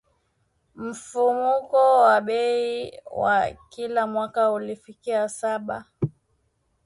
Mfumuko wa bei wa kila mwaka ulifikia saba.